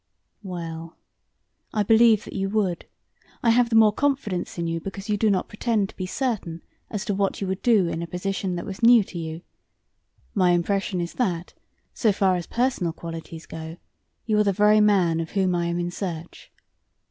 "Well, I believe that you would. I have the more confidence in you because you do not pretend to be certain as to what you would do in a position that was new to you. My impression is that, so far as personal qualities go, you are the very man of whom I am in search.